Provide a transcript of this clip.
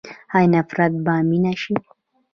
آیا نفرت به مینه شي؟